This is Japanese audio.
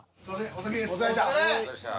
お疲れさまでした。